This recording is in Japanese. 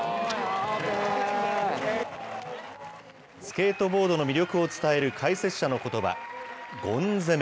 スケートボードの魅力を伝える解説者のことば、ゴン攻め／